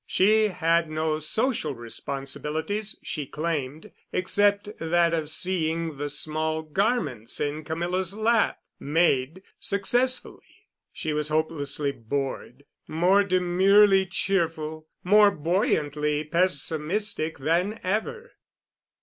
She had no social responsibilities, she claimed, except that of seeing the small garments in Camilla's lap made successfully. She was hopelessly bored, more demurely cheerful, more buoyantly pessimistic than ever.